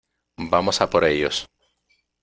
vamos a por ellos.